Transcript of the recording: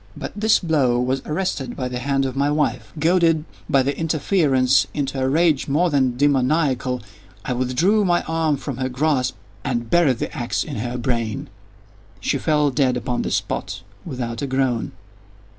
But this blow was arrested by the hand of my wife. Goaded, by the interference, into a rage more than demoniacal, I withdrew my arm from her grasp and buried the axe in her brain. She fell dead upon the spot, without a groan.